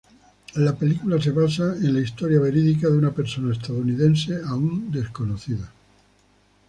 La película se basa en la historia verídica de una persona estadounidense aún desconocida.